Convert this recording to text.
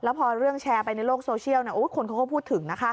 พอเรื่องแชร์ไปในโลกโซเชียลคนเขาก็พูดถึงนะคะ